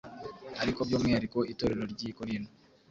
ariko by’umwihariko Itorero ry’i Korinto,